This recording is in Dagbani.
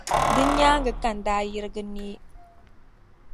Di nyaaŋa ka n daa yirigi neei.